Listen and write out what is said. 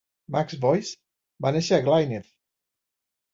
Max Boyce va néixer a Glynneath.